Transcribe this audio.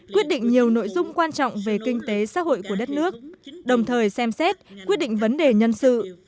quyết định nhiều nội dung quan trọng về kinh tế xã hội của đất nước đồng thời xem xét quyết định vấn đề nhân sự